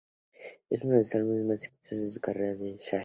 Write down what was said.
Es uno de los álbumes más exitosos de la carrera de Sasha.